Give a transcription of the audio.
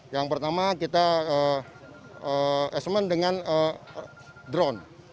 yang pertama kita assessment dengan drone